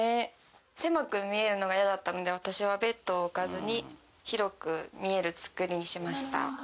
狭く見えるのが嫌だったので私はベッドを置かずに広く見えるつくりにしました。